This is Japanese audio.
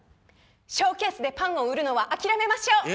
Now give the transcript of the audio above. ショーケースでパンを売るのは諦めましょう！